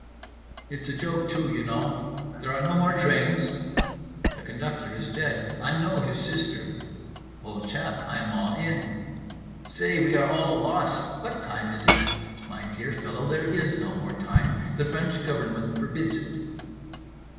"It's a joke, too, you know, there are no more trains?"—"The conductor is dead. I know his sister."—"Old chap, I am all in."—"Say, we are all lost."—"What time is it?"—"My dear fellow, there is no more time, the French Government forbids it."